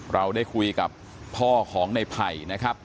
เราได้คุยกับพ่อของในไผ่นะครับ